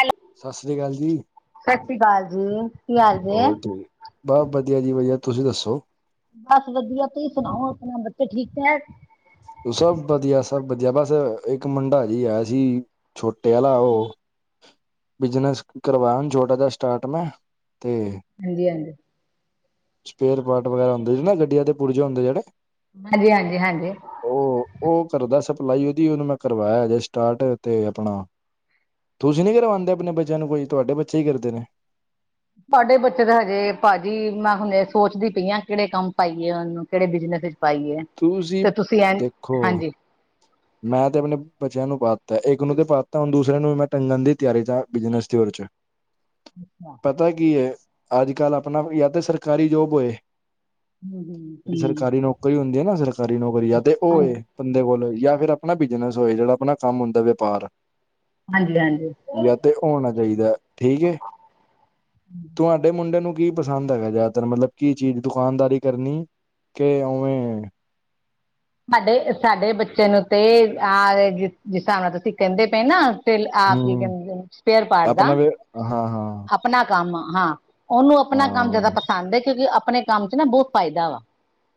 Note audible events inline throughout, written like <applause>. Hello. ਸਾਸਰੀ ਕਾਲ ਜੀ, ਸਤਿ ਸ੍ਰੀ ਅਕਾਲ ਜੀ ਕੀ ਹਾਲ ਜੇ ਹੋਰ ਠੀ ਬਸ ਵਦੀਆ ਜੀ ਵਦੀਆ ਤੁਸੀਂ ਦੱਸੋ ਬਸ ਵਧੀਆ, ਤੁਹੀ ਸੁਣਾਓ ਅਪਣਾ ਬੱਚੇ ਠੀਕ ਐ? ਸਭ ਵਧੀਆ, ਸਭ ਵਧੀਆ, ਬਸ ਇੱਕ ਮੁੰਡਾ ਜੀ ਆਇਆ ਸੀ, ਛੋਟੇ ਆਲਾ ਉਹ ਬਿਜਨਸ ਕਰਵਾਣ ਛੋਟਾ ਜਾ ਸਟਾਰਟ ਨਾਂ, 'ਤੇ ਹਾਂਜੀ-ਹਾਂਜੀ। ਸਪੇਰ ਪਾਰਟ ਵਗੈਰਾ ਹੁੰਦੇ ਨਾ, ਗੱਡੀਆਂ ਦੇ ਪੁਰਜੇ ਹੁੰਦੇ ਜਿਹੜੇ। ਹਾਂਜੀ, ਹਾਂਜੀ-ਹਾਂਜੀ। ਉਹ, ਉਹ ਕਰਦਾ ਸਪਲਾਈ, ਉਹਦੀ ਉਹਨੂੰ ਮੈਂ ਕਰਵਾਇਆ ਜੇ ਸਟਾਰਟ ਤੇ, ਅਪਣਾ ਤੁਸੀਂ ਨੀ ਕਰਵਾ ਅਪਣੇ ਬੱਚਿਆਂ ਨੂੰ ਕੋਈ, ਤੁਹਾਡੇ ਬ ਅੱਛੇ ਈ ਕਰਦੇ ਨੇ। ਤੁਹਾਡੇ ਬੱਚੇ ਤਾਂ ਹਜੇ ਭਾਜੀ ਮੈਂ ਹੁਣ ਸੋਚਦੀ ਪਈ ਹਾਂ ਕਿਹੜੇ ਕੰਮ ਪਾਈਏ ਉਹਨੂੰ। ਕੇੜੇ ਬਿਜਨਸ ਵਿਚ ਪਾਈਏ। ਤੁੂਸੀ, ਤੇ ਤੁਸੀਂ ਐ ਦੇਖੋ ਹਾਂਜੀ ਮੈਂ ਤੇ ਅਪਣੇ ਬੱਚਿਆਂ ਨੂੰ ਪਾਤਾ, ਇੱਕ ਨੂੰ ਤੇ ਪਾਤਾ, ਹੁਣ ਦੂਸਰੇ ਨੂੰ ਵੀ ਮੈਂ ਟੰਗਣ ਦੀ ਤਿਆਰੀ'ਚ ਆ ਬਿਜਨਸ ਦੇ ਓ'ਚ। ਛਾ। ਪਤਾ ਕੀ ਐ, ਅੱਜ-ਕੱਲ ਅਪਣਾ ਯਾ ਤਾ ਸਰਕਾਰੀ ਜੋਬ ਹੋਏ। ਜੇੜੀ ਸਰਕਾਰੀ ਨੌਕਰੀ ਹੁੰਦੀ ਆ ਨਾ ਸਰਕਾਰੀ ਨੌਕਰੀ, ਯਾ 'ਤੇ ਓ ਏ। ਹਾਂਜੀ ਬੰਦੇ ਕੋਲ ਯਾ ਫਿਰ ਅਪਣਾ ਬਿਜਨਸ ਹੋਏ, ਜਿਹੜਾ ਅਪਣਾ ਕੰਮ ਹੁੰਦਾ ਵਯਪਾਰ। ਹਾਂਜੀ-ਹਾਂਜੀ। ਤੇ ਹੋਣਾ ਚਾਹੀਦਾ ਠੀਕ ਏ, ਤੁਹਾਡੇ ਮੁੰਡੇ ਨੂੰ ਕੀ ਪਸੰਦ ਹੈਗਾ ਜ਼ਿਆਦਾਤਰ ਮਤਲਬ ਕੀ ਚੀਜ਼ ਦੁਕਾਨਦਾਰੀ ਕਰਨੀ, ਕਿ ਉਵੇਂ ਸਾਡੇ, ਸਾਡੇ ਬੱਚੇ ਨੂੰ ਤੇ ਆਹ, ਜਿਸ ਜਿਸ ਹਿਸਾਬ ਨਾਲ ਤੁਸੀਂ ਕਹਿੰਦੇ ਪਏ ਨਾ ਫ਼ਿਰ, ਆ ਕੀ ਹਮ ਕਹਿੰਦੇ, ਸਪੇਅਰ ਪਾਰਟ ਦਾ। ਆਪਣਾ ਵੀ ਹਾਂ ਹਾਂ ਆਪਣਾ ਕੰਮ ਹਾਂ, ਉਹਨੂੰ ਆਪਣਾ ਕੰਮ ਜਿਆਦਾ ਹਾਂ ਪਸੰਦ ਹੈ, ਕਿਉਂਕਿ ਆਪਣੇ ਕੰਮ ਚ ਨਾ ਬਹੁਤ ਫਾਇਦਾ ਵਾ।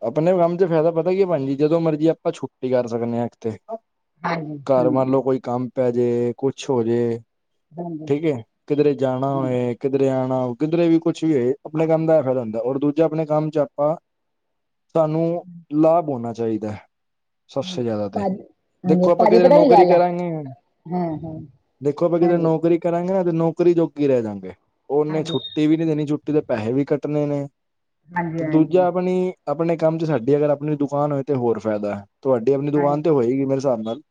ਆਪਣੇ ਕੰਮ ਚ ਫ਼ਾਇਦਾ ਪਤਾ ਕੀ ਭੈਣ ਜੀ, ਜਦੋਂ ਮਰਜੀ ਆਪਾਂ ਛੁੱਟੀ ਕਰ ਸਕਦੇ ਹਾਂ ਇੱਕ ਥੇ ਹਾਂਜੀ ਘਰ ਹਾਂਜੀ ਮੰਨਲੋ, ਕੋਈ ਕੰਮ ਪੈਜੇ, ਕੁਛ ਹੋਜੇ ਹਾਂਜੀ ਠੀਕ ਏ ਕਿਦਰੇ ਜਾਨਾ ਹਾਂਜੀ ਹੋਏ ਕਿਦਰੇ ਆਨਾ ਕਿਦਰੇ ਵੀ ਕੁੱਛ ਵੀ ਹੋਏ ਆਪਨੇ ਕੰਮ ਦਾ ਐ ਫੈਦਾ ਹੁੰਦਾ ਔਰ ਦੂਜਾ ਆਪਨੇ ਕੰਮ ਚ ਆਪਾਂ ਤਾਨੂੰ, ਲਾਭ ਹੋਣਾ ਚਾਹੀਦੈ। ਸਭ ਸੇ ਹਾਂਜੀ ਜ਼ਿਆਦਾ ਤੇ, ਭਾਜੀ ਹਾਂਜੀ ਦੇਖੋ ਆਪਾਂ ਭਾਜੀ ਕਿਧਰੇ ਪਤਾ ਕੀ ਨੌਕਰੀ ਗੱਲ ਹੈ ਕਰਾਂਗੇ। ਹਮ ਹਮ ਦੇਖੋ ਆਪ ਕਿਤੇ ਹਾਂਜੀ ਹਾਂਜੀ ਨੌਕਰੀ ਕਰਾਂਗੇ ਨਾ, ਤੇ ਨੌਕਰੀ ਜੋਗੀ ਰਹਿ ਜਾਂਗੇ, ਉਹਨੇ ਹਾਂਜੀ ਛੁੱਟੀ ਵੀ ਨੀ ਦੇਨੀ ਛੁੱਟੀ ਦੇ ਪੈਸੇ ਵੀ ਕੱਟਣੇ ਨੇ‌। ਤੇ ਦੂਜਾ ਹਾਂਜੀ ਆਪਣੀ ਆਪਣੇ ਕੰਮ 'ਚ ਸਾਡੀ ਅਗਰ ਆਪਣੀ ਦੁਕਾਨ ਹੋਏ ਤਾਂ ਹੋਰ ਫੈਦਾ- ਤੁਹਾਡੀ ਆਪਣੀ ਦੁਕਾਨ ਤੇ ਹੋਏਗੀ ਮੇਰੇ ਹਿਸਾਬ ਨਾਲ।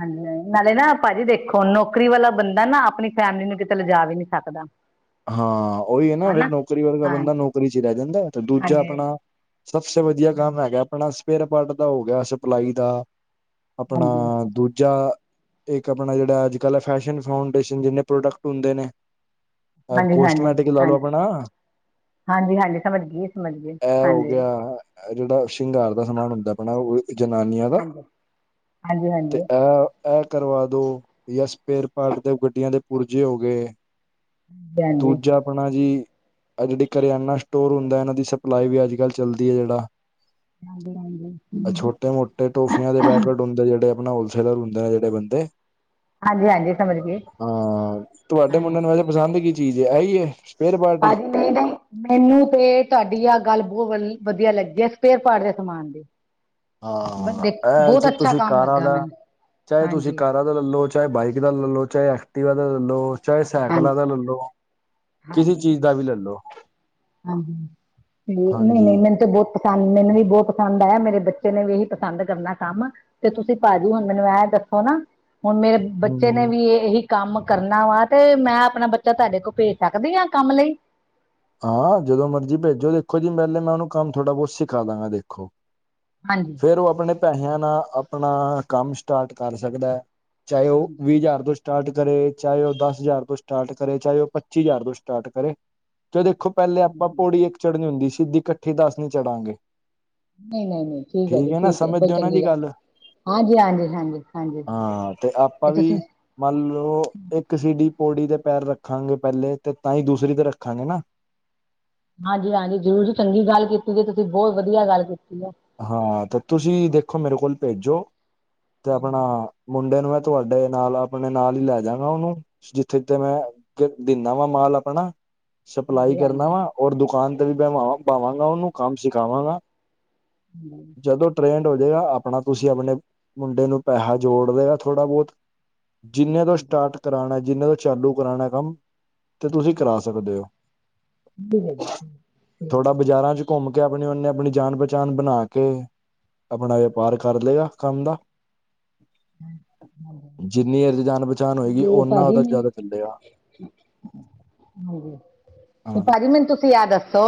ਹਾਂਜੀ ਹਾਂਜੀ ਨਾਲੇ ਨਾ ਭਾਜੀ ਦੇਖੋ ਨੌਕਰੀ ਵਾਲਾ ਬੰਦਾ ਨਾ ਆਪਣੀ ਫੈਮਿਲੀ ਨੂੰ ਕਿਤੇ ਲਿਜਾ ਵੀ ਨੀ ਸਕਦਾ। ਹਾਂ। ਹਾਂ ਉਈ ਹੈ। ਨਾ ਫਿਰ ਨੌਕਰੀ ਵਰਗਾ ਬੰਦਾ ਹਾਂਜੀ ਨੌਕਰੀ 'ਚ ਹੀ ਰਹਿ ਜਾਂਦਾ ਤੇ ਦੂਜਾ ਹਾਂਜੀ ਆਪਣਾ। ਸਭਸੇ ਵਧੀਆ ਹਾਂਜੀ ਕੰਮ ਹੈਗਾ ਆਪਣਾ ਸ। ਸਪੇਅਰ ਪਾਰਟ ਦਾ ਹੋ ਗਿਆ ਸਪਲਾਈ ਦਾ ਆਪਣਾ ਹਾਂਜੀ ਦੂਜਾ। ਇੱਕ ਆਪਣਾ ਜਿਹੜਾ ਅੱਜ ਕੱਲ੍ਹ ਫੈਸ਼ਨ ਫਾਉਂਡੇਸ਼ਨ ਜਿੰਨੇ ਪ੍ਰੋਡਕਟ ਹੁੰਦੇ ਨੇ। ਨਾਲੇ ਹੈਗੇ ਕੋਸਟਮੈਟਿਕ ਲਾ ਲਓ ਆਪਣਾ ਹਾਂਜੀ-ਹਾਂਜੀ-ਹਾਂਜੀ। ਸਮਝ ਗਈ ਸਮਝ ਗਈ ਹਾਂਜੀ। ਅ ਜਿਹੜਾ ਸ਼ਿੰਗਾਰ ਦਾ ਸਮਾਨ ਹੁੰਦਾ ਆਪਣਾ ਓ। ਜਨਾਨੀਆਂ ਦਾ ਹਾਂਜੀ ਹਾਂਜੀ ਤੇ ਹਾਂਜੀ ਅ। ਐ ਕਰਵਾ ਦੋ ਜਾਂ ਸਪੇਰ ਪਾਰਟ ਦੇ ਗੱਡੀਆਂ ਦੇ ਪੁਰਜੇ ਹੋ ਗਏ। ਹਾਂਜੀ ਦੂਜਾ। ਆਪਣਾ ਜੀ ਆ ਜਿਹੜੀ ਕਰਿਆਨਾ ਸਟੋਰ ਹੁੰਦਾ ਇਹਨਾਂ ਦੀ ਸਪਲਾਈ ਵੀ ਅੱਜ ਕੱਲ ਚੱਲਦੀ ਹੈ ਜੇੜਾ। ਹਾਂਜੀ ਹਾਂਜੀ ਅ ਛੋਟਾ ਮੋਟ। ਤੇ ਟੋਫੀਆਂ ਦੇ ਪੈਕਟ ਹੁੰਦੇ ਜਿਹੜੇ ਆਪਣੇ ਹੋਲਸੇਲਰ ਹੁੰਦੇ ਨੇ ਜਿਹੜੇ ਬੰਦੇ। ਹਾਂਜੀ ਹਾਂਜੀ ਸਮਝ ਗਏ ਹਾਂ ਤੁਹਾਡੇ ਹਾਂਜੀ ਮੁੰਡੇ ਨੇ ਇਧਰ। ਪਸੰਦ ਕੀ ਚੀਜ਼ ਹੈ। ਇਹੀ ਹੈ। ਸਪੇਅਰ ਪਾਰਟ ਹੀ। ਜੀ ਨਹੀਂ ਮੈਨੂੰ ਤੇ ਤੁਹਾਡੀ ਆਹ ਗੱਲ ਬਹੁਤ ਵ ਵਧੀਆ ਲੱਗੀ ਆ ਸਕਪੇਅਰ ਪਾਰਟ ਦੇ ਸਮਾਨ ਦੀ। ਹਾਂਜੀ। ਹਾਂ ਇਹਲ 'ਚ ਤੁਸੀਂ ਕੰਮ ਕਾਰਾਂ ਲੱਗਾ ਦਾ ਮੈਨੂੰ ਚਾਹੇ ਤੁਸੀਂ ਹਾਂਜੀ ਕਾ ਕਾਰਾ ਦਾ ਲੈ ਲਓ ਚਾਹੇ ਬਾਈਕ ਦਾ ਲੈ ਲੋ ਚਾਹੇ ਐਕਟਿਵਾ ਦਾ ਲੈ ਲਓ। ਚਾਹੇ ਸਾਈਕਲਾਂ ਹਾਂਜੀ ਦਾ ਲੈ ਲੋ ਕਿਸੀ ਚੀਜ਼ ਦਾ ਵੀ ਲੈ ਲਓ। ਹਾਂ ਤੇ ਨਹੀਂ ਹਾਂਜੀ ਨਹੀਂ ਮੈਨੂੰ ਤੇ ਬਹੁਤ ਪਸੰਦ। ਸ ਮੈਨੂੰ ਵੀ ਬਹੁਤ ਪਸੰਦ ਆਇਆ, ਮੇਰੇ ਬੱਚੇ ਨੇ ਵੀ ਇਹੀ ਪਸੰਦ ਕਰਨਾ ਕੰਮ। ਤੇ ਤੁਸੀਂ ਭਾਜੀੂ ਹੁਣ ਮੈਨੂੰ ਐਂ ਦੱਸੋ ਨਾ, ਹੁਣ ਮੇਰੇ ਬੱਚੇ ਨੇ ਹਮ ਵੀ ਇਹੀ ਕੰਮ ਕਰਨਾ ਵਾ, ਤੇ ਮੈਂ ਆਪਣਾ ਬੱਚਾ ਤੁਹਾਡੇ ਕੋਲ ਭੇਜ ਸਕਦੀ ਹਾਂ ਕੰਮ ਲਈ? ਹਾਂ ਜਦੋਂ ਮਰਜ਼ੀ ਭੇਜੋ, ਦੇਖੋ ਜੀ ਮਹਿਲੇ ਮੈਂ ਉਹਨੂੰ ਕੰ ਥੋੜਾ ਬਹੁਤ ਸਿਖਾ ਦਾਂਗਾ ਦੇਖੋ ਹਾਂਜੀ। ਫਿਰ ਉਹ ਆਪਣੇ ਪੈਸਿਆਂ ਨਾਲ, ਆਪਣਾ ਕੰਮ ਸਟਾਰਟ ਕਰ ਸਕਦਾ ਹੈ। ਚਾਹੇ ਉਹ ਵੀਹ ਹਾਂਜੀ ਹਜ਼ਾਰ ਤੋਂ ਸਟਾਰਟ ਕਰੇ, ਚਾਹੇ ਉਹ ਦਸ ਹਜ਼ਾਰ ਤੋਂ ਸਟਾਰਟ ਕਰੇ, ਚਾਹੇ ਉਹ ਪੱਚੀ ਹਜ਼ਾਰ ਤੋਂ ਸਟਾਰਟ ਕਰੇ। ਜ ਦੇਖੋ ਪਹਿਲੇ ਆਪਾਂ ਪੌੜੀ ਇੱਕ ਚੜ੍ਹਨੀ ਹੁੰਦੀ, ਸੀਿੱਧੀ ਇਕੱਠੀ ਦਸ ਨੀ ਚੜਾਂਗੇ। ਨਹੀਂ ਨਹੀਂ ਨਹੀਂ ਜੀ ਠੀਕ ਹੈ ਨਾ, ਸਮਝਦੇ ਬਹੁਤ ਹੋ ਨਾ ਚੰਗੀ ਜੀ ਗੱਲ। ਹਾਂਜੀ ਹਾਂਜੀ ਹਾਂਜੀ ਹਾਂਜੀ ਤੇ ਹਾਂ, ਤੇ ਆਪਾਂ ਵੀ ਤੁਸੀਂ ਮੰਨ ਲਓ ਇੱਕ ਸੀਡੀ ਪੌੜੀ ਦੇ ਪੈਰ ਰੱਖਾਂਗੇ ਪਹਿਲੇ, ਤੇ ਤਾਂ ਹੀ ਦੂਸਰੀ ਤੇ ਰੱਖਾਂਗੇ ਨਾ। ਹਾਂਜੀ ਹਾਂਜੀ ਜ਼ਰੂਰ, ਚੰਗੀ ਗੱਲ ਕੀਤੀ ਜ ਤੁਸੀਂ, ਬਹੁਤ ਵਧੀਆ ਗੱਲ ਕੀਤੀ ਹੈ। ਹਾਂ, ਤੇ ਤੁਸੀਂ ਦੇਖੋ ਮੇਰੇ ਕੋਲ ਭੇਜੋ, ਤੇ ਆਪਣਾ ਮੁੰਡੇ ਨੂੰ ਮੈਂ ਤੁਹਾਡੇ ਨਾਲ, ਆਪਣੇ ਨਾਲ ਹੀ ਲੈ ਜਾਗਾ ਉਹਨੂੰ। ਜਿੱਥੇ ਜਿੱਥੇ ਮੈਂ ਦਿੰਦਾ ਵਾ, ਮਾਲ ਆਪਣਾ ਸਪਲਾਈ ਹਾਂਜੀ ਕਰਨਾ ਹਾਂਜੀ ਵਾ, ਔਰ ਦੁਕਾਨ ਤੇ ਵੀ ਬ ਪਾਵਾਂਗਾ ਉਹਨੂੰ, ਕੰਮ ਸਿਖਾਵਾਂਗਾ ਹਮ। ਜਦੋਂ ਟ੍ਰੇਡ ਹੋ ਜਾੇਗਾ ਆਪਣਾ ਤੁਸੀਂ, ਆਪਣੇ ਮੁੰਡੇ ਨੂੰ ਪੈਸਾ ਜੋੜ ਦੇਗਾ ਥੋੜਾ ਬਹੁਤ ਜਿੰਨੇ ਤੋਂ ਸਟਾਰਟ ਕਰਾਉਣਾ, ਜਿੰਨੇ ਤੋਂ ਚਾਲੂ ਕਰਾਉਣਾ ਕੰਮ ਤੇ ਤੁਸੀਂ ਕਰਾ ਸਕਦੇ ਹੋ, ਠੀਕ ਹੈ ਜੀ ਠੀਕ। ਥੋਡਾ ਬਾਜ਼ਾਰਾਂ 'ਚ ਘੁੰਮ ਕੇ ਆਪਣੀ ਉਹਨੇ, ਆਪਣੀ ਜਾਨ ਬ ਹਿ ਜਾਨ ਬਣਾ ਕੇ, ਆਪਣਾ ਵਪਾਰ ਕਰ ਲਏਗਾ ਕੰਮ ਦਾ। ਜਿੰਨੀ ਇਹ ਦੀ ਜਾਣ ਪਛਾਣ ਹੋਏਗੀ, ਤੇ ਭਾਅ ਓਨਾ ਜੀ ਉਹਦਾ ਮੈਨੂੰ ਜ਼ਿਆਦਾ ਚੱਲੇਗਾ। ਹਾਂਜੀ, ਤੇ ਹਾਂ ਭਾਜੀ ਮੈਨੂੰ ਤੁਸੀਂ ਐ ਦੱਸੋ,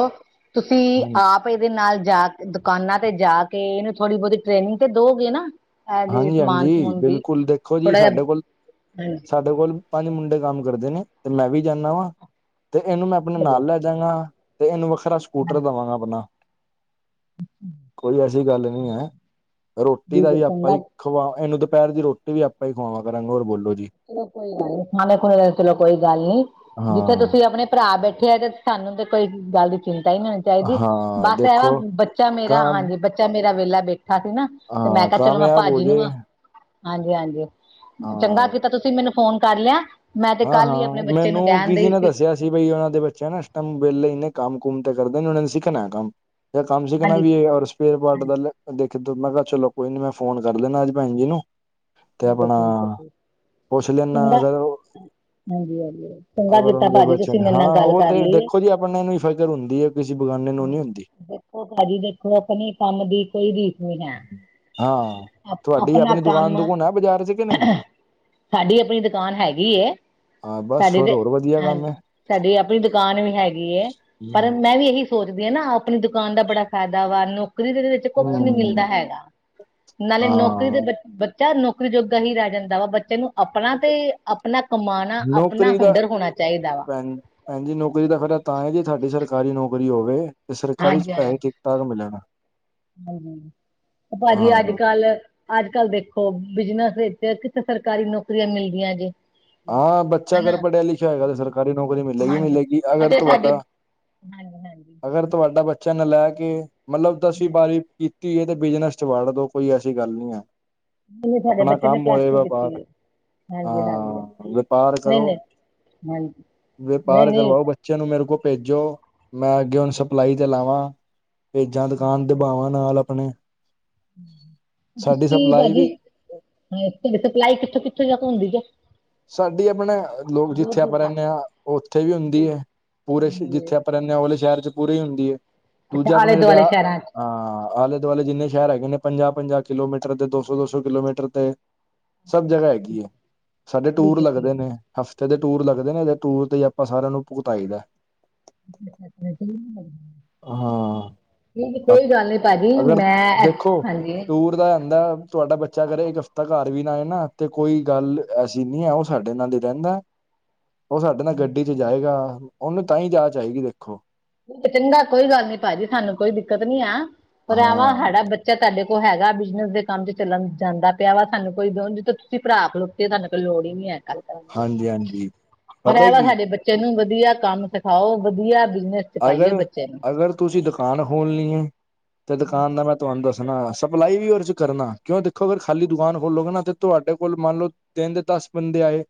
ਤੁਸੀਂ ਹਾਂਜੀ ਆਪ ਆਪ ਇਹਦੇ ਨਾਲ ਜਾ ਦੁਕਾਨਾਂ ਤੇ ਜਾ ਕੇ, ਇਹਨੂੰ ਥੋੜ੍ਹੀ ਬਹੁਤੀ ਟ੍ਰੇਨਿੰਗ ਤੇ ਦਓਗੇ ਨਾ? ਇਹਦੇ ਹਾਂਜੀ ਸਮਾਨ ਹਾਂਜੀ, ਸਮੂਨ ਦੀ ਬਿਲਕੁਲ, ਦੇਖੋ ਜੀ ਥੋੜ੍ਹਾ ਜਿਹਾ ਸਾਡੇ ਕੋਲ ਹਾਂਜੀ ਸਾਡੇ ਕੋਲ ਪੰਜ ਮੁੰਡੇ ਕੰਮ ਕਰਦੇ ਨੇ, ਤੇ ਮੈਂ ਵੀ ਜਾਂਦਾ ਵਾ, ਤੇ ਇਹਨੂੰ ਮੈਂ ਆਪਣੇ ਹਾਂਜੀ ਨਾਲ ਲੈ ਜਾਂਗਾ, ਤੇ ਇਹਨੂੰ ਵੱਖਰਾ ਸਕੂਟਰ ਹਾਂਜੀ, ਦੇਵਾਂਗਾ ਆਪਣਾ। ਕੋਈ ਐਸੀ ਗੱਲ ਨੀ ਹੈ, ਰੋਟੀ ਦਾ ਠੀਕ ਵੀ ਹੈ ਆਪ ਚੰਗਾ ਖੁਵਾ, ਇਹਨੂੰ ਦੁਪਹਿਰ ਦੀ ਰੋਟੀ ਵੀ ਆਪਾਂ ਹੀ ਖਵਾਇਆ ਕਰਾਂਗੇ, ਹੋਰ ਬੋਲੋ ਜੀ? ਚਲੋ ਕੋਈ ਗੱਲ ਨੀ, ਖਾਣੇ ਖੂਣੇ ਚਲੋ ਕੋਈ ਗੱਲ ਨੀ, ਜਿੱਥੇ ਹਾਂ ਤੁਸੀਂ ਆਪਣੇ ਭਰਾ ਬੈਠੇ ਆ, ਤੇ ਸਾਨੂੰ ਤੇ ਕੋਈ ਗੱਲ ਦੀ ਚਿੰਤਾ ਹੀ ਨਹੀਂ ਹੋਣੀ ਚਾਹੀਦੀ, ਹਾਂ ਬਸ ਐ ਦੇਖੋ ਵ ਬੱਚਾ ਕ ਮੇਰਾ, ਹਾਂਜੀ, ਬੱਚਾ ਮੇਰਾ ਵੇਹਲਾ ਬੈਠਾ ਸੀ ਨਾ ਤੇ ਮੈਂ ਹਾਂ ਕਿਹਾ ਚਲੋ, ਮੈਂ ਕਾਮਯਾਬ ਹੋ ਭਾਜੀ ਨੂੰ ਜੇ ਵਾਂ, ਹਾਂਜੀ-ਹਾਂਜੀ ਚੰਗਾ ਹਾਂ ਕੀ ਤਾਂ, ਮੈਨੂੰ ਫੋਨ ਕਰ ਲਿਆ, ਮੈਂ ਤੇ ਕੱਲ ਹੀ ਆਪਣੇ ਬੱਚੇ ਨੂੰ ਕਹਿਣ ਦਈ ਸੀ। ਅਸੀਂ ਬਈ ਉਹਨਾਂ ਦੇ ਬੱਚੇ ਨਾ, ਇਸ ਟਾਈਮ ਵੇਲੇ ਹੀ ਨੇ, ਕੰਮ ਕੁਮ ਤੇ ਕਰਦੇ ਨੇ, ਉਹਨਾਂ ਨੇ ਸਿੱਖਣਾ ਕੰਮ। ਕੰਮ ਸਿੱਖਣਾ ਹਾਂਜੀ ਵੀ ਏ, ਔਰ ਤੇ ਸਪੇਰ ਪਾਰਟ ਹਾਂਜੀ ਪਹਿਲੇ ਓਹ ਦੇਖੀ ਦੋਨਾ ਦਾ ਚਲੋ ਕੋਈ ਨੀ, ਮੈਂ ਫੋਨ ਕਰ ਦਿੰਦਾਂ ਅੱਜ ਭੈਣ ਜੀ ਨੂੰ। ਤੇ ਠੀਕ ਹੈ ਆਪਣਾ, ਠੀਕ ਹੈ ਠੀਕ ਪੁੱਛ ਲੇਨਾ ਅਗਰ ਹਾਂਜੀ-ਹਾਂਜੀ। ਅਗਰ ਉਹ ਦੇ <unintelligible> ਹਾਂ, ਉਹ ਤੇ ਲਈ ਦੇਖੋ ਜੀ ਆਪਣੇ ਨੂੰ ਹੀ ਫ਼ਿਕਰ ਹੁੰਦੀ ਹੈ, ਕਿਸੇ ਬਗਾਨੇ ਨੂੰ ਨਹੀਂ ਹੁੰਦੀ। ਦੇਖੋ ਭਾਜੀ ਦੇਖੋ, ਆਪਣੇ ਕੰਮ ਦੀ ਕੋਈ ਰੀਸ ਨਹੀਂ ਹੈ। ਹਾਂ, ਤੁਹਾਡੀ ਆਪਣਾ ਆਪਣੀ ਦੁਕਾਨ ਕੰਮ ਦੁਕੁਾਨ ਹੈ ਬਾਜ਼ਾਰ 'ਚ, ਕਿ ਨਹੀਂ? ਸਾਡੀ ਆਪਣੀ ਦੁਕਾਨ ਹੈਗੀ ਏ। ਹਾਂ ਬਸ ਸਾਡੀ ਫਿਰ ਤੇ, ਹੋਰ ਵਧੀਆ ਕੰਮ ਹਾਂਜੀ, ਹੈ ਸਾਡੀ ਆਪਣੀ ਦੁਕਾਨ ਵੀ ਹੈਗੀ ਏ, ਪਰ ਹੂੰ ਮੈਂ ਵੀ ਇਹੀ ਸੋਚਦੀ ਆ ਨਾ, ਆਪਣੀ ਦੁਕਾਨ ਦਾ ਬੜਾ ਫਾਇਦਾ ਵਾ, ਨੌਕਰੀ ਦੇ ਕੁਛ ਨਹੀਂ ਮਿਲਦਾ ਹੈਗਾ, ਨਾਲੇ ਨੌਕਰੀ 'ਤੇ ਹਾਂ ਬ ਬੱਚਾ ਨੌਕਰੀ ਕਰੀ ਜੋਗਾ ਹੀ ਰਹਿ ਜਾਂਦਾ ਵਾ, ਬੱਚੇ ਨੂੰ ਆਪਣਾ ਤੇ ਆਪਣਾ ਕਮਾਉਣਾ, ਆਪਣਾ ਹੁਨਰ ਹੋਣਾ ਚਾਹੀਦਾ ਵਾ। ਭੈਣਜੀ ਨੌਕਰੀ ਦਾ ਫਾਇਦਾ ਤਾਂ ਹੈ, ਜੇ ਤੁਹਾਡੀ ਸਰਕਾਰੀ ਨੌਕਰੀ ਹੋਵੇ। ਤੇ ਸਰਕਾਰੀ ਚ ਪੈਸੇ ਹਾਂਜੀ-ਹਾਂਜੀ, ਠੀਕ ਠਾਕ ਮਿਲਣ ਹਾਜੀ, ਭਾਜੀ ਅੱਜ ਹਾਂ ਕੱਲ ਅੱਜ ਕੱਲ੍ਹ ਦੇਖੋ, ਬਿਜਨਸ ਦੇ ਵਿੱਚ ਕਿਥੇ ਸਰਕਾਰੀ ਨੌਕਰੀਆਂ ਮਿਲਦੀਆਂ ਜੇ। ਹਾਂ, ਬੱਚਾ ਅਗਰ ਹਨਾ ਪੜ੍ਹਿਆ ਲਿਖਿਆ ਹੋਏਗਾ ਤੇ ਸਰਕਾਰੀ ਨੌਕਰੀ ਹਾਂਜੀ ਮਿਲੇਗੀ-ਮਿਲੇਗੀ, ਅਗਰ ਅਤੇ ਸਾਡੇ ਤੁਹਾਡਾ ਹਾਂਜੀ, ਹਾਂਜੀ। ਅਗਰ ਤੁਹਾਡਾ ਬੱਚਾ ਨਲੈਕ ਏ, ਮਤਲਬ ਦਸਵੀਂ ਹਾਂਜੀ ਬਾਰਵੀਂ ਕੀਤੀ ਹੈ ਤੇ, ਬਿਜਨਸ 'ਚ ਵਾਂੜ ਦੋ, ਕੋਈ ਐਸੀ ਗੱਲ ਨਹੀਂ ਏ। ਨਹੀਂ ਨਹੀਂ, ਸਾਡੇ ਆਪਣਾ ਬੱਚੇ ਨੇ ਕੰਮ ਪਲੱਸ ਟੂ ਹੋਏਗਾ ਕੀਤੀ ਬਾਹਰ, ਹੈ ਹਾਂਜੀ ਹਾਂਜੀ ਹਾਂ। ਵਾਪਾਰ ਨਹੀਂ ਨਹੀਂ ਕਰੋ, ਹਾਂਜੀ ਨਹੀਂ ਵੇਪਾਰ ਨਹੀਂ ਕਰਵਾਓ ਬ ਬੱਚੇ ਨੂੰ ਮੇਰੇ ਕੋਲ ਭੇਜੋ, ਮੈਂ ਅੱਗੇ ਹੁਣ ਸਪਲਾਈ ਤੇ ਲਾਵਾਂ। ਭੇਜਾਂ, ਦੁਕਾਨ ਤੇ ਬਾਵਾਂ ਨਾਲ ਆਪਣੇ। ਸਾਡੀ <unintelligible> ਸਪਲਾਈ ਭਾਜੀ, ਵੀ ਹ ਸਪਲਾਈ ਕਿੱਥੋਂ ਕਿੱਥੋਂ ਜਾ ਕੇ ਹੁੰਦੀ ਜੌ? ਸਾਡੀ ਆਪਣੇ, ਲੋਕ, ਜਿੱਥੇ ਆਪਾਂ ਤੱਕ ਰਹਿੰਦੇ ਹਾਂ, ਉੱਥੇ ਵੀ ਹੁੰਦੀ ਦੂਰ ਏ, ਪੂਰੇ ਹਾਂਜੀ ਜਿੱਥੇ ਆਪਾਂ ਰਹਿੰਦੇ ਆ, ਓਹ ਆਲੇ ਸ਼ਹਿਰ 'ਚ ਪੂਰੇ ਹੀ ਹੁੰਦੀ ਹੈ, ਦੂਜਾ ਅੱਛਾ ਆਲੇ ਆਪਣਾ ਜਿਹੜੇ ਦੁਆਲੇ ਆ ਸ਼ਹਿਰਾਂ ਚ ਹਾਂ, ਆਲੇ ਦੁਆਲੇ ਜਿੰਨੇ ਸ਼ਹਿਰ ਹੈਗੇ ਨੇ, ਪੰਜਾਹ-ਪੰਜਾਹ ਕਿਲੋਮੀਟਰ ਤੇ, ਦੋ ਸੌ ਦੋ ਸੌ ਕਿਲੋਮੀਟਰ ਤੇ ਸਭ ਜਗ੍ਹਾ ਹੈਗੀ ਏ। ਸਾਡੇ ਠੀਕ ਟੂਰ ਹੈ ਲੱਗਦੇ ਨੇ, ਠੀਕ ਹਫ਼ਤੇ ਦੇ ਟੂਰ ਲੱਗਦੇ ਨੇ, ਇਹਦੇ ਟੂਰ ਤੇ ਆਪਾਂ ਸਾਰਿਆਂ ਨੂੰ ਭੁਗਤਾਈ ਦਾ। ਛਾ 'ਚ <unintelligible> ਹਾਂ <unintelligible> ਕੋਈ ਗੱਲ ਨਹੀਂ ਭਾਜੀ, ਅਗਰ ਮੈਂ, ਦੇਖੋ ਹਾਂਜੀ ਟੂਰ ਦਾ ਐ ਹੁੰਦਾ ਤੁਹਾਡਾ ਬੱਚਾ ਕਰੇ, ਇੱਕ ਹਫ਼ਤਾ ਘਰ ਵੀ ਨਾ ਆਏ ਨਾ, ਤੇ ਕੋਈ ਗੱਲ ਅਸੀ ਨੀ ਹੈ, ਉਹ ਸਾਡੇ ਨਾਲ ਹੀ ਰਹਿੰਦਾ, ਉਹ ਸਾਡੇ ਨਾਲ ਗੱਡੀ ਹਾਂਜੀ 'ਚ ਜਾਏਗਾ। ਉਹਨੂੰ ਤਾਂ ਹੀ ਜਾਚ ਆਏਗੀ, ਦੇਖੋ। ਓਹ ਤੇ ਚੰਗਾ ਕੋਈ ਗੱਲ ਨੀ ਭਾਜੀ, ਸਾਨੂੰ ਕੋਈ ਦਿੱਕਤ ਨੀ ਆ, ਪਰ ਆਵਾ ਹਾਂ, ਸਾਡਾ ਬੱਚ ਚਾ ਤੁਹਾਡੇ ਕੋਲ ਹੈਗਾ, ਬਿਜਨਸ ਦੇ ਕੰਮ 'ਚ ਚੱਲਣ ਜਾਂਦਾ ਪਿਆ ਵਾ, ਸਾਨੂੰ ਕੋਈ <unintelligible> <unintelligible> ਲੋੜ ਨੀ ਏ <unintelligible> ਹਾਂਜੀ-ਹਾਂਜੀ, ਪਰ ਪਤਾ ਇਹ ਵ, ਕੀ ਸਾਡੇ ਬੱਚੇ ਨੂੰ ਵਧੀਆ ਕੰਮ ਸਿਖਾਓ, ਵਧੀਆ ਬਿਜਨਸ ਚ ਪਾਈਏ ਅਗਰ, ਬੱਚੇ ਨੂੰ ਅਗਰ ਤੁਸੀਂ ਦੁਕਾਨ ਖੋਲਣੀ ਹੈ ਤੇ ਦੁਕਾਨ ਦਾ ਮੈਂ ਤੁਹਾਨੂੰ ਦੱਸਣਾ, ਸਪਲਾਈ ਵੀ ਉਹਦੇ 'ਚ ਕਰਨਾ, ਕਿਉਂ ਦੇਖੋ ਅਗਰ ਖਾਲੀ ਦੁਕਾਨ ਖੋਲੋਗੇ ਨਾ ਤੇ ਤੁਹਾਡੇ ਕੋਲ ਮੰਨ ਲਓ, ਦਿਨ ਦੇ ਦਸ ਬੰਦੇ ਆਏ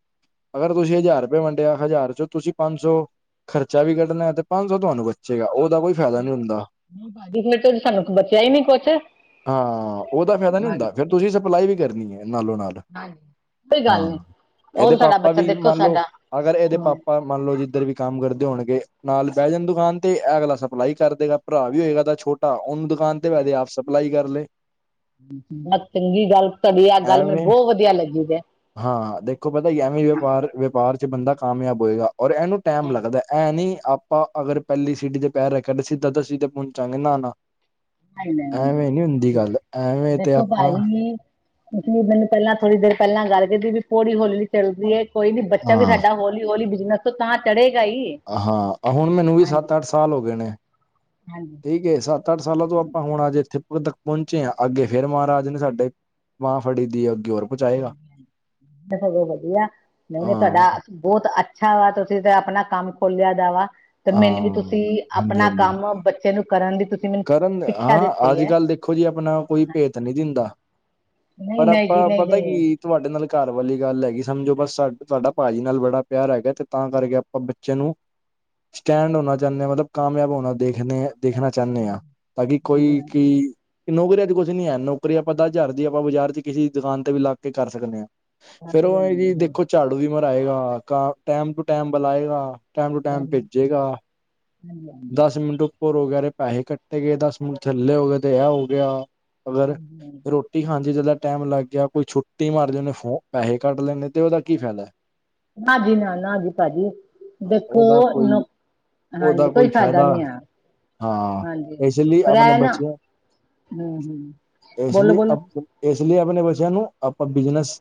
ਅਗਰ ਤੁਸੀਂ ਹਜ਼ਾਰ ਰੁਪਏ ਵੰਡਿਆ, ਹਜ਼ਾਰ 'ਚ ਤੁਸੀਂ ਪੰਜ ਸੌ ਖਰਚਾ ਵੀ ਕੱਢਣਾਏ ਤੇ ਪੰਜ ਸੌ ਤੁਹਾਨੂੰ ਬੱਚੇਗਾ, ਉਹਦਾ ਕੋਈ ਫਾਇਦਾ ਨੀ ਹੁੰਦਾ। ਭਾਜੀ, ਫ਼ਿਰ ਤੇ ਸਾਨੂੰ ਬਚਿਆ ਹੀ ਨੀ ਕੁਛ ਹਾਂ, ਉਹਦਾ ਫਾਇਦਾ ਨੀ ਹੁੰਦਾ ਫੇਰ ਤੁਸੀਂ ਸਪਲਾਈ ਵੀ ਕਰਨੀ ਹੈ, ਨਾਲੋਂ ਨਾਲ ਕੋਈ ਗੱਲ ਹਾਂ, ਨੀ ਇਹਦੇ ਉਹ ਸਾਡਾ ਪਾਪਾ ਬੱਚਾ ਵੀ ਦੇਖੋ ਮੰਨ ਲਓ, ਸਾਡਾ ਅਗਰ ਇਹਦੇ ਹਮ ਪਾਪਾ ਮੰਨ ਲਓ, ਜਿੱਧਰ ਵੀ ਕੰਮ ਕਰਦੇ ਹੋਣਗੇ ਨਾਲ ਬਹਿ ਜਾਣ ਦੁਕਾਨ ਤੇ ਅਗਲਾ ਸਪਲਾਈ ਕਰ ਦੇਗਾ, ਭਰਾ ਵੀ ਹੋਏਗਾ ਤਾਂ ਛੋਟਾ ਉਹਨੂੰ ਦੁਕਾਨ ਤੇ ਲੈ ਜੇ, ਆਪ ਸਪਲਾਈ ਕਰ ਲਏ। ਬਹੁਤ ਚੰਗੀ ਗੱਲ, ਤੁਹਾਡੀ ਆ ਗੱਲ ਮੈਨੁ ਐਵੇਂ ਬਹੁਤ ਵਧੀਆ ਲੱਗੀ ਹੈ। ਹਾਂ ਦੇਖੋ ਪਤਾ, ਐਵੇਂ ਵਪਾਰ-ਵਪਾਰ 'ਚ ਬੰਦਾ ਕਾਮਯਾਬ ਹੋਏਗਾ। ਔਰ ਇਹਨੂੰ ਟੈਮ ਲੱਗਦਾ ਹੈ, ਇਹ ਨਹੀਂ ਆਪ ਅਗਰ ਪਹਿਲੀ ਸੀਡੀ ਦੇ ਪੈਰ ਰੱਖਿਆ ਤੇ ਸਿੱਧਾ ਦਸਵੀਂ ਪਹੁੰਚਾਂਗੇ ਨਾ ਨਾ ਨਹੀਂ ਨਹੀਂ ਨਹੀਂ ਐਵੇਂ ਨੀ ਹੁੰਦੀ ਠੀਕ ਗੱਲ, ਐਵੇਂ ਤੇ ਆਪਾਂ ਅਸੀਂ ਪਹਿਲਾਂ ਥੋੜੀ ਦੇਰ ਪਹਿਲਾਂ ਗੱਲ <unintelligible> ਪੌੜੀ ਹੌਲੀ ਹੌਲੀ ਚੱਲਦੀ ਹੈ ਕੋਈ ਨੀ ਬੱਚਾ ਵੀ ਹਾਂ ਸਾਡਾ ਹੌਲੀ-ਹੌਲੀ ਬਿਜਨਸ ਤਾਂ ਚੜੇਗਾ ਹੀ। ਹਾਂ ਆ ਹੁਣ ਮੈਨੂੰ ਵੀ ਹਾਂਜੀ ਸੱਤ ਅੱਠ ਸਾਲ ਹੋ ਗਏ ਨੇ। ਹਾਂਜੀ ਠੀਕ ਏ ਸੱਤ ਅੱਠ ਸਾਲਾਂ ਤੋਂ ਆਪਾਂ ਹੁਣ ਅੱਜ ਇਥੇ ਉਥੋਂ ਤੱਕ ਪਹੁੰਚੇ ਆ, ਅੱਗੇ ਫਿਰ ਮਹਾਰਾਜ ਨੇ ਸਾਡੇ ਬਾਹ ਫੜੀ ਦੀ ਹੈ ਅੱਗੇ ਹੋਰ ਪਹੁੰਚਾਏਗਾ ਚਲੋ ਵਧੀਆ ਮੈਂ ਵੀ ਤੁਹਾਡਾ ਹਾਂ ਬਹੁਤ ਅੱਛਾ ਵਾ ਤੁਸੀਂ ਤੇ ਆਪਣਾ ਕੰਮ ਖੋਲਿਆ ਦਾ ਵਾ। ਤੇ ਮੈਨੂੰ ਵੀ ਤੁਸੀਂ ਹਾਂ ਹਾਂਜੀ ਆਪਣਾ ਹਾਂਜੀ ਕੰਮ ਬੱਚੇ ਨੂੰ ਕਰਨ ਦੀ ਤੁਸੀਂ ਮੈਨੂੰ ਕਰਨ ਸਿੱਖਿਆ ਹਾਂ ਦਿੱਤੀ ਅੱਜ ਹੈ ਕੱਲ ਦੇਖੋ ਜੀ ਆਪਣਾ ਕੋਈ ਭੇਤ ਨਹੀਂ ਦਿੰਦਾ। ਨਹੀਂ ਪਰ ਨਹੀਂ ਜੀ ਆਪਾਂ ਨਹੀਂ ਪਤਾ ਨਹੀਂ ਕੀ ਤੁਹਾਡੇ ਨਾਲ ਘਰ ਵਾਲੀ ਗੱਲ ਹੈਗੀ ਐ, ਸਮਝੋ ਬਸ ਸਾ ਸਾਡਾ ਭਾਜੀ ਨਾਲ ਬੜਾ ਪਿਆਰ ਹੈਗਾ ਤੇ ਤਾਂ ਕਰਕੇ ਆ ਆਪ ਬੱਚੇ ਨੂੰ ਸਟੈਂਡ ਹੋਣਾ ਚਾਹੁੰਦੇ ਹਾਂ ਮਤਲਬ ਕਾਮਯਾਬ ਹੋਣਾ ਦੇਖਨੇ ਦੇਖਣਾ ਚਾਹੁੰਦੇ ਤਾਂ ਹਾਂਜੀ ਕੋਈ ਕੀ ਨੌਕਰੀ ਅੱਜ ਕੁਛ ਨੀ ਹੈ ਨੌਕਰੀ ਆਪਾਂ ਦ ਹਜ਼ਾਰ ਦੀ ਆਪਾਂ ਬਾਜ਼ਾਰ ਚ ਕਿਸੇ ਦੁਕਾਨ ਤੇ ਵੀ ਲੱਗ ਕੇ ਕਰ ਸਕਦੇ ਹਾਂ। ਫਿਰ ਹਾਂਜੀ ਹਾਂਜੀ ਉਹ ਇਹ ਹੈ ਕੀ ਹਾਂਜੀ ਦੇਖੋ ਝਾੜੂ ਵੀ ਮਰਾਏਗਾ, ਕਾ ਟੈਮ ਟੂ ਟੈਮ ਬੁਲਾਏਗਾ। ਟਾਈਮ ਟੂ ਟਾਈਮ ਹਾਂਜੀ ਹਾਂਜੀ ਭੇਜੇਗਾ, ਹਾਂਜੀ ਦਸ ਮਿੰਟ ਉੱਪਰ ਹੋ ਗਿਆ ਅਰੇ ਪੈਸੇ ਕੱਟੇ ਗਏ ਦਸ ਮਿੰਟ ਥੱਲੇ ਹੋ ਗਏ, ਤੇ ਇਹ ਹੋ ਗਿਆ ਅਗਰ ਹਾਂਜੀ ਹਾਂਜੀ ਰੋ ਹਾਂਜੀ ਰੋਟੀ ਖਾਂਦੇ ਜਦਾਂ ਟਾਈਮ ਲੱਗ ਗਿਆ, ਕੋਈ ਛੁੱਟੀ ਮਾਰ ਜਾਂਦੇ ਫ ਪੈਸੇ ਕੱਢ ਲੈਂਦੇ ਤੇ ਉਹਦਾ ਕੀ ਫਾਇਦਾ ਐ। ਨਾ ਜੀ ਨਾ ਨਾ ਜੀ ਭਾਜੀ ਹਾਂ ਦੇਖੋ ਉਹਦਾ ਨ ਕੋਈ ਹਾਂਜੀ ਕੋਈ ਫਾਇਦਾ ਨੀ ਆ। ਹਾਂ ਹਾਂਜੀ ਇਸ ਲਈ ਪਰ ਆਪਣੇ ਐ ਨਾ ਬੱਚਿਆਂ ਹੂੰ ਹੂੰ ਇਸ ਬੋਲੋ ਲਈ ਬੋਲੋ ਅਪ ਇਸ ਲਈ ਆਪਣੇ ਬੱਚਿਆਂ ਨੂੰ ਆਪਾਂ ਬਿਜਨਸ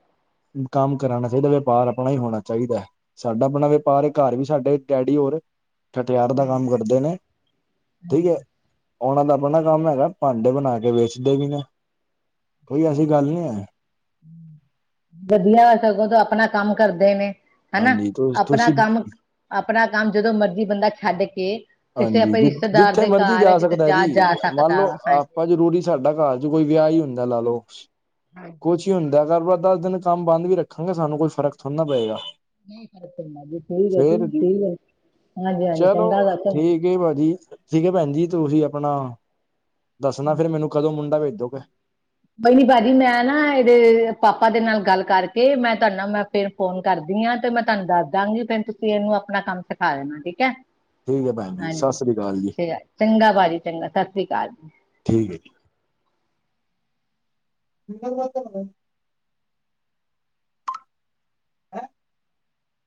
ਕੰਮ ਕਰਾਉਣਾ ਚਾਹੀਦਾ, ਵਪਾਰ ਆਪਣਾ ਹੀ ਹੋਣਾ ਚਾਹੀਦਾ ਹੈ। ਸਾਡਾ ਆਪਣਾ ਵਪਾਰ ਐ, ਘਰ ਵੀ ਸਾਡੇ ਡੈਡੀ ਹੋਰ ਖਟਿਆਰ ਦਾ ਕੰਮ ਕਰਦੇ ਨੇ। ਠੀਕ ਹੈ। ਉਨਾਂ ਦਾ ਆਪਣਾ ਕੰਮ ਹੈਗਾ, ਭਾਂਡੇ ਬਣਾ ਕੇ ਵੇਚਦੇ ਵੀ ਨੇ, ਕੋਈ ਐਸੀ ਗੱਲ ਨਹੀਂ ਹੈ। ਵਧੀਆ ਸਗੋਂ ਤੋਂ ਆਪਣਾ ਕੰਮ ਕਰਦੇ ਨੇ। ਹਨਾ ਹਾਂਜੀ ਆਪਣਾ ਤੁਸੀਂ ਕੰਮ, ਆਪਣਾ ਕੰਮ ਜਦੋਂ ਮਰਜ਼ੀ ਬੰਦਾ ਛੱਡ ਕੇ ਕਿਸੇ ਹਾਂਜੀ ਆਪਣੇ ਰਿਸ਼ਤੇਦਾਰ ਜਿੱਥੇ ਦੇ ਮਰਜੀ ਘਰ ਜਾ ਕਿਤੇ ਸਕਦਾ ਜੀ ਜਾ ਮੰਨ ਸਕਦਾ ਲਓ ਵਾ ਆਪ ਹਾਂਜੀ ਪਰ ਜ਼ਰੂਰੀ ਸਾਡਾ ਘਰ ਚ ਕੋਈ ਵਿਆਹ ਹੀ ਹੁੰਦਾ ਲਾ ਲੋਓ ਕੁਛ ਹੀ ਹੁੰਦਾ ਕਰ ਦਸ ਦਿਨ ਕੰਮ ਬੰਦ ਵੀ ਰੱਖਾਂਗੇ ਸਾਨੂੰ ਕੋਈ ਫਰਕ ਥੁਨਾ ਪਏਗਾ। <unintelligible> ਫੇਰ ਜੀ ਹਾਂਜੀ ਹਾਂਜੀ ਚਲੋ ਚੰਗਾ ਲੱਗਦਾ ਠੀਕ ਹੈ ਭਾਜੀ ਠੀਕ ਹੈ ਭੈਣ ਜੀ ਤੁਸੀਂ ਆਪਣਾ ਦੱਸ ਨਾ ਫ਼ਿਰ ਮੈਨੂੰ ਕਦੋਂ ਮੁੰਡਾ ਭੇਜੋਗੇ। ਬਈ ਨੀ ਭਾਜੀ ਮੈਂ ਨਾ ਇਹਦੇ ਪਾਪਾ ਦੇ ਨਾਲ ਗੱਲ ਕਰਕੇ ਮੈਂ ਤੁਹਾਡਾ ਮੈਂ ਫਿਰ ਫੋਨ ਕਰਦੀ ਆ ਤੇ ਮੈਂ ਤੁਹਾਨੂੰ ਦੱਸ ਦਵਾਂਗੀ ਫਿਰ ਤੁਸੀਂ ਇਹਨੂੰ ਆਪਣਾ ਕੰਮ ਸਿਖਾ ਦੇਣਾ ਠੀਕ ਹੈ। ਠੀਕ ਹੈ ਭੈਣ ਜੀ ਸਤਿ ਹਾਂਜੀ ਸ੍ਰੀ ਅਕਾਲ ਜੀ ਠੀਕ ਚੰਗਾ ਭਾਜੀ ਚੰਗਾ ਸਤਿ ਸ੍ਰੀ ਅਕਾਲ ਜੀ। ਠੀਕ ਹੈ ਜੀ। <unintelligible> ਮਤਲਬ ਹੈਂ।